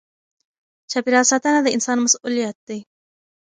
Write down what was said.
چاپېریال ساتنه د انسان مسؤلیت دی.